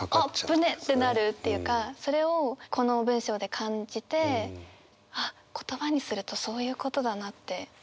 ぶねえってなるっていうかそれをこの文章で感じてあっ言葉にするとそういうことだなって今思いました。